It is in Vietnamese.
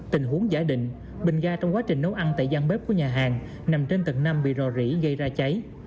tình huống giả định bình ga trong quá trình nấu ăn tại gian bếp của nhà hàng nằm trên tầng năm bị rò rỉ gây ra cháy